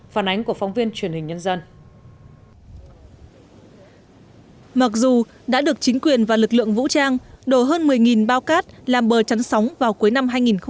mặc dù đã được chính quyền và lực lượng vũ trang đổ hơn một mươi bao cát làm bờ chắn sóng vào cuối năm hai nghìn một mươi bảy